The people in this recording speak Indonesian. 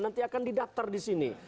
nanti akan didaftar di sini